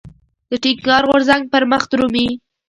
د ټينګار غورځنګ پرمخ درومي.